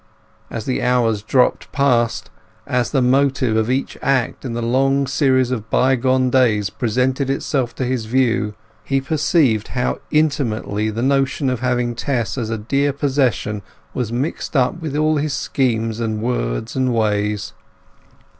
As the hours dropped past, as the motive of each act in the long series of bygone days presented itself to his view, he perceived how intimately the notion of having Tess as a dear possession was mixed up with all his schemes and words and ways.